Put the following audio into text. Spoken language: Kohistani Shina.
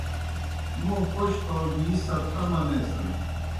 موں پوْش پاؤ گِی صدقہ منیسِن۔